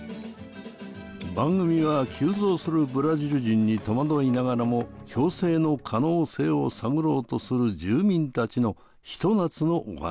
番組は急増するブラジル人に戸惑いながらも共生の可能性を探ろうとする住民たちのひと夏のお話。